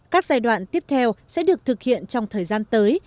các giai đoạn tiếp theo sẽ được thực hiện trong thời gian tới